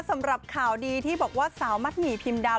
สำหรับข่าวดีที่บอกว่าสาวมัดหมี่พิมดาว